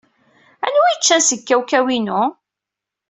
Anwa i yeččan seg kawkaw-inu?